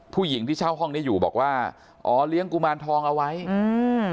ผู้หญิงที่เช่าห้องนี้อยู่บอกว่าอ๋อเลี้ยงกุมารทองเอาไว้อืม